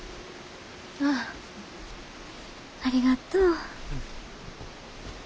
ああありがとう。